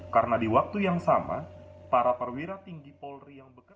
karena di waktu yang sama para perwira tinggi polri yang